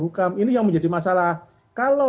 karena kami anggaran kami pun anggaranya dipakai mengkubolokan